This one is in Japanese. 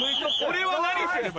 俺は何すれば。